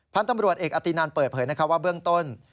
พันธุ์ตำรวจเอกอตินันเปิดเผยว่าเบื้องต้น